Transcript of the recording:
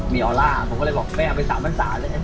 มีออร่ามันก็เลยบอกแม่เอาไปสาบรักษาเลย